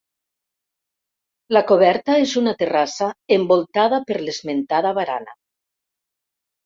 La coberta és una terrassa envoltada per l'esmentada barana.